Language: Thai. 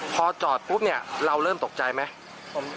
พอจอดปุ๊บเนี่ยเราเริ่มตกใจไหม